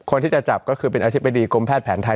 คนที่จะจับก็คือเป็นอธิบดีกรมแพทย์แผนไทย